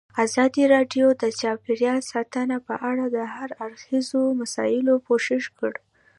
ازادي راډیو د چاپیریال ساتنه په اړه د هر اړخیزو مسایلو پوښښ کړی.